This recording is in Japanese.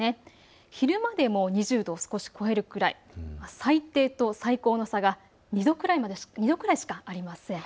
昼間でも２０度を少し超えるくらい、最低と最高の差が２度くらいしかありません。